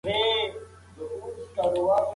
پاچا وویل چې ښکار په ډنډ کې نه بلکې په غره کې کېږي.